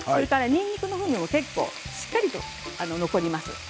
にんにくのにおいもしっかりと残ります。